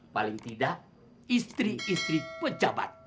paling tidak istri istri pejabat